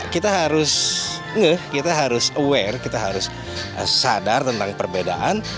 kita harus aware kita harus sadar tentang perbedaan